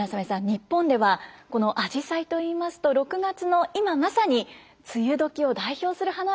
日本ではこのあじさいといいますと６月の今まさに梅雨時を代表する花ですよね。